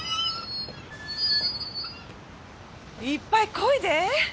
いっぱい漕いで。